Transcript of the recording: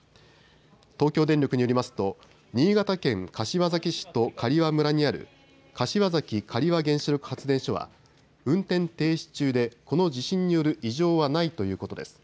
東京電力によりますと新潟県柏崎市と刈羽村にある柏崎刈羽原子力発電所は運転停止中でこの地震による異常はないということです。